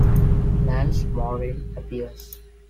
Lance Morrill appears.